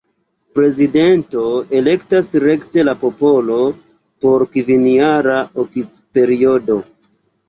Prezidenton elektas rekte la popolo por kvinjara oficperiodo.